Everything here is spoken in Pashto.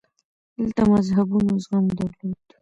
دلته مذهبونو زغم درلود